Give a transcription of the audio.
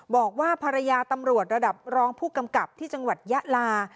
บอกว่าภรรยาตำรวจระดับรองผู้กำกับที่จังหวัดยะลา